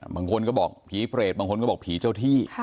บางคนก็บอกผีเปรตบางคนก็บอกผีเจ้าที่